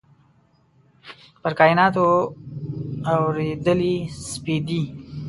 پر کایناتو اوريدلي سپیدې